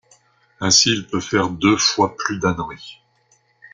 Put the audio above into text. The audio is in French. Ainsi, il peut faire deux fois plus d’âneries.